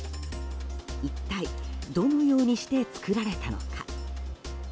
一体どのようにして作られたのか。